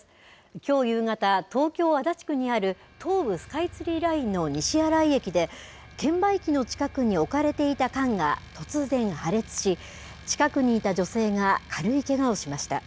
きょう夕方、東京・足立区にある東武スカイツリーラインの西新井駅で、券売機の近くに置かれていた缶が突然破裂し、近くにいた女性が軽いけがをしました。